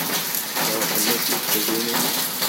Serrḥen-as i weqjun-nni.